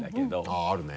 あぁあるね。